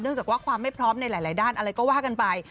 จากว่าความไม่พร้อมในหลายด้านอะไรก็ว่ากันไป